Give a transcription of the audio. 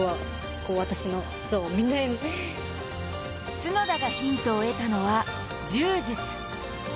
角田がヒントを得たのは柔術。